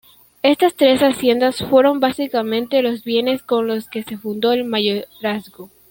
Estas tres haciendas fueron básicamente los bienes con los que se fundó el mayorazgo.